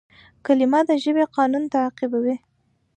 کلیمه د ژبي قانون تعقیبوي.